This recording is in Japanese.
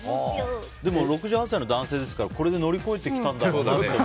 でも６８歳の男性ですからこれで乗り越えてきたんだろうな。